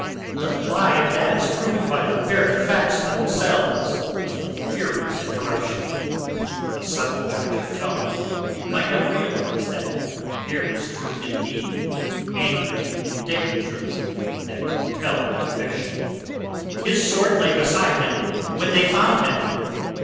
"The lie of that is proven by the very facts themselves," was the furious interruption. A subtle judge of tones might have realized that here was truth indeed, angry indignant truth that compelled conviction. "His sword lay beside him when they found him."